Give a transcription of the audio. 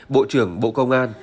bộ trưởng bộ công an